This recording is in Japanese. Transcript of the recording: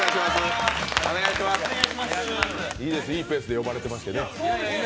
いいですね、いいペースで呼ばれていましてね。